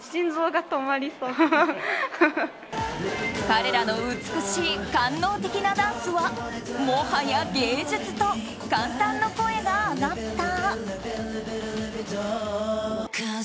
彼らの美しい官能的なダンスはもはや芸術と感嘆の声が上がった。